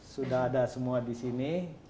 sudah ada semua di sini